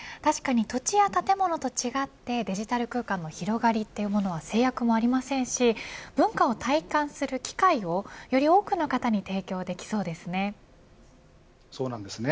確かに土地や建物と違ってデジタル空間の広がりは制約もありませんし文化を体感する機会をより多くの方に提供できそうですね。